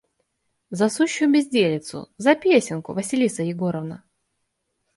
– За сущую безделицу: за песенку, Василиса Егоровна.